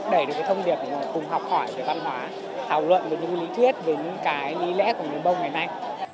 để được cái thông điệp cùng học hỏi về văn hóa thảo luận về những lý thuyết về những cái lý lẽ của người mông ngày nay